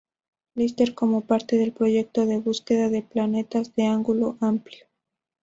Lister como parte del proyecto de Búsqueda de planetas de ángulo amplio.